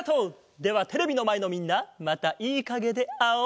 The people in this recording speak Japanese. ではテレビのまえのみんなまたいいかげであおう！